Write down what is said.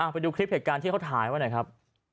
ไปดูคลิปเหตุการณ์ที่เขาถ่ายไว้หน่อยครับ